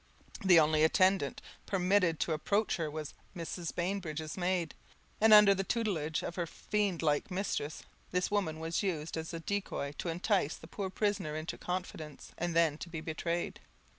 The only attendant permitted to approach her was Mrs. Bainbridge's maid; and under the tutelage of her fiend like mistress, this woman was used as a decoy to entice the poor prisoner into confidence, and then to be betrayed.